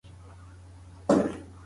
په لاس خط لیکل د شخصیت د درناوي نښه ده.